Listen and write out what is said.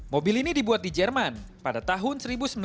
mobil ini dibuat di jerman pada tahun seribu sembilan ratus sembilan puluh